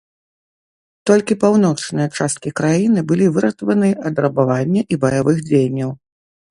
Толькі паўночныя часткі краіны былі выратаваны ад рабавання і баявых дзеянняў.